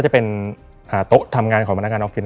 เป็นเรื่องสั้นครับ